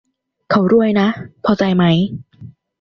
เขารวยนะ พอใจไหม